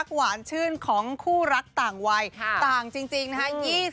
หวานชื่นของคู่รักต่างวัยต่างจริงนะฮะ